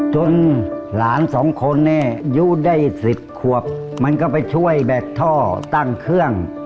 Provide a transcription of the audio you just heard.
จนหลานสองคนนี้ยู้ได้สิทธิ์ควบมันก็ไปช่วยแบกท่อตั้งเครื่องวิทยาลัย